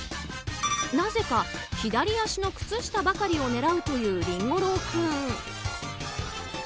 なぜか左足の靴下ばかりを狙うという、りんご郎君。